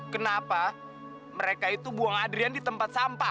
kenapa mereka itu buang adrian di tempat sampah